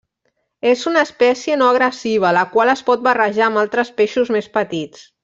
És una espècie no agressiva, la qual es pot barrejar amb altres peixos més petits.